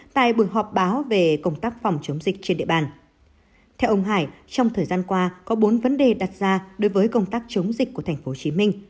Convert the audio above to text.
theo ông hải trong thời gian qua có bốn vấn đề đặt ra đối với công tác chống dịch của tp hcm